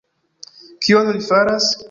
Kion li faras?